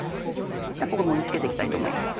盛り付けて行きたいと思います。